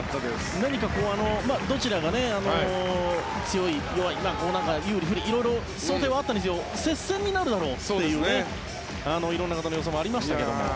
何か、どちらが強い、弱い有利、不利色々想定はあったにせよ接戦になるだろうという色んな方の予想もありましたけど。